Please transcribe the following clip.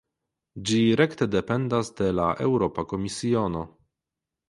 Ĝi rekte dependas de la Eŭropa Komisiono.